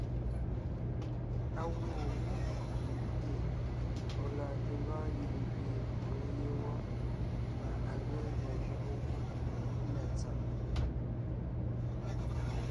Á gwoon gú ngie ɔ̀ lɔɔn te gɔɔn nyìŋ gẅie ɔ̀ɔ yé wɔ́ mbà à ge gʉa jʉɔʼɔ gú ndá tsǎŋ.